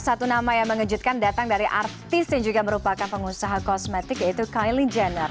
satu nama yang mengejutkan datang dari artis yang juga merupakan pengusaha kosmetik yaitu kylie jenner